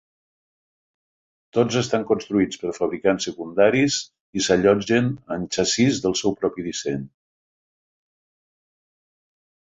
Tots estan construïts per fabricants secundaris i s'allotgen en xassís del seu propi disseny.